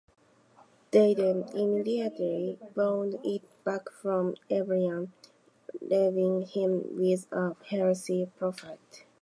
They then immediately bought it back from Elvin, leaving him with a healthy profit.